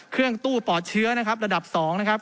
เครื่องตู้ปอดเชื้อนะครับระดับ๒นะครับ